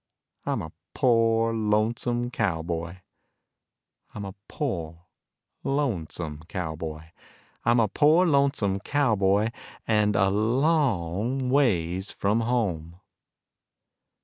I'm a poor, lonesome cowboy, I'm a poor, lonesome cowboy, I'm a poor, lonesome cowboy And a long ways from home.